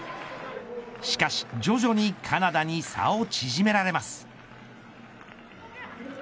しかし徐々にカナダに差を縮められます。